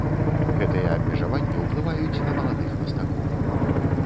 Гэтыя абмежаванні ўплываюць на маладых мастакоў.